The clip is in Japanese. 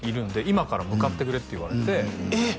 「今から向かってくれ」って言われてえっ？